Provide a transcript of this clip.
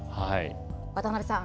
渡邊さん